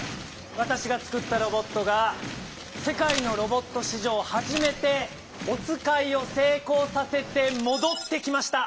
わたしがつくったロボットがせかいのロボットし上はじめておつかいを成功させてもどってきました！